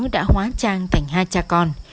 đã hóa trang thành hai cha con